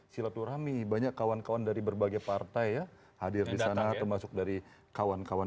silaturahmi banyak kawan kawan dari berbagai partai ya hadir di sana termasuk dari kawan kawan